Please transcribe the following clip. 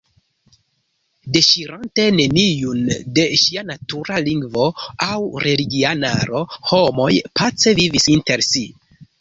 Deŝirante neniun de sia natura lingvo aŭ religianaro, homoj pace vivis inter si.